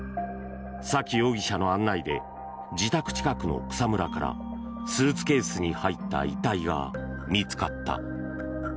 沙喜容疑者の案内で自宅近くの草むらからスーツケースに入った遺体が見つかった。